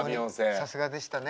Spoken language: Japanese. さすがでしたね。